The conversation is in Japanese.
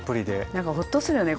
何かホッとするよね